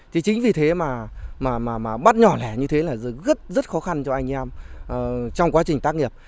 thì chính vì thế mà bắt nhỏ lẻ như thế là rất rất khó khăn cho anh em trong quá trình tác nghiệp